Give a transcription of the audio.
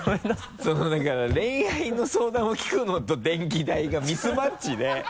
あのそのなんか恋愛の相談を聞くのと電気代がミスマッチで。